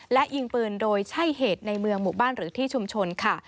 และยิงปืนโดยใช่เหตุในเมืองหมู่บ้านหรือที่ชุมชนค่ะ